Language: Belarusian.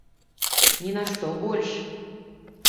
Ні на што больш.